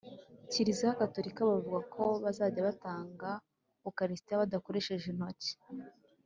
Kiliziya Gatolika bavuga ko bazajya batanga ukalisitiya badakoresheje intoki